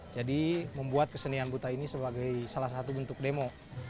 jadi membuat kesenian buta ini sebagai salah satu bentuk demo